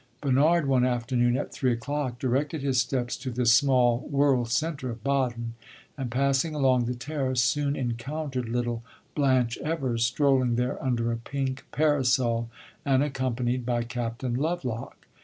Bernard, one afternoon, at three o'clock, directed his steps to this small world centre of Baden, and, passing along the terrace, soon encountered little Blanche Evers strolling there under a pink parasol and accompanied by Captain Lovelock.